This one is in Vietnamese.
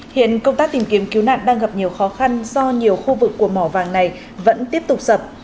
hiện công tác tìm kiếm cứu nạn đang gặp nhiều khó khăn do nhiều khu vực của mỏ vàng này vẫn tiếp tục sập